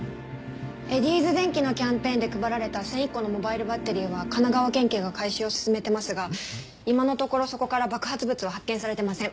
エディーズ電機のキャンペーンで配られた１００１個のモバイルバッテリーは神奈川県警が回収を進めてますが今のところそこから爆発物は発見されてません。